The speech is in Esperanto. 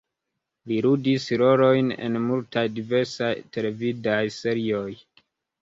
Li ludis rolojn en multaj diversaj televidaj serioj.